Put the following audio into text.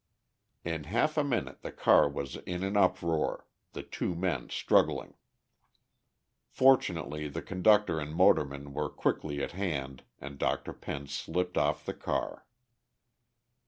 In half a minute the car was in an uproar, the two men struggling. Fortunately the conductor and motorman were quickly at hand, and Dr. Penn slipped off the car.